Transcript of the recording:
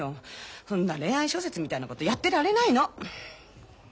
そんな恋愛小説みたいなことやってられないの！